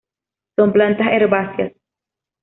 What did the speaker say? Son plantas herbáceas.